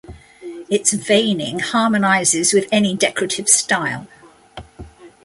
Its veining harmonizes with any decorative style.